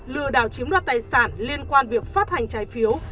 lừa đảo chiếm đoạt tài sản liên quan việc phát hành trái phiếu